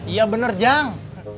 ya bener jang